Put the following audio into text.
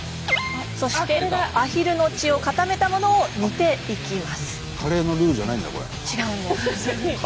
そしてアヒルの血を固めたものを煮ていきます。